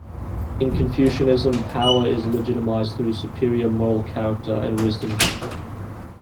In Confucianism, power is legitimized through superior moral character and wisdom.